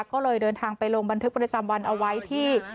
ก็เลยเดินทางไปโรงบันทึกบริษัมวัณฑ์เอาไว้ที่